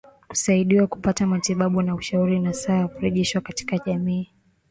kusaidiwa kupata matibabu na ushauri nasaha na kurejeshwa katika jamii